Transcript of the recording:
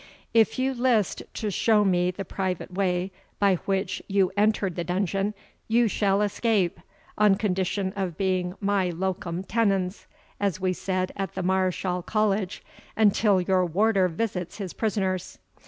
If you list to show me the private way by which you entered the dungeon, you shall escape, on condition of being my LOCUM TENENS, as we said at the Mareschal College, until your warder visits his prisoners.